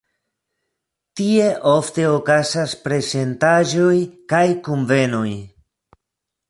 Tie ofte okazas prezentaĵoj kaj kunvenoj.